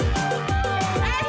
oh pak demak eh